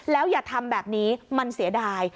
แล้วอย่าทำแบบนี้มันเสียดาย